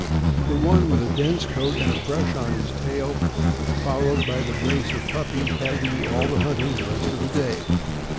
The one with a dense coat and a brush on his tail, followed by the brace of puppies, had to do all our hunting the rest of the day.